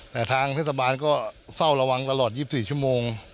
แต่ทางเทศบาลก็เฝ้าระวังตลอด๒๔ชั่วโมง